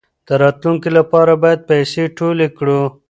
د راتلونکي لپاره باید پیسې ټولې کړو.